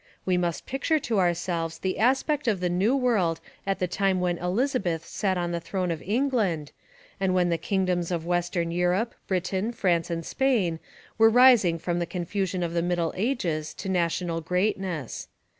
We must picture to ourselves the aspect of the New World at the time when Elizabeth sat on the throne of England, and when the kingdoms of western Europe, Britain, France, and Spain, were rising from the confusion of the Middle Ages to national greatness.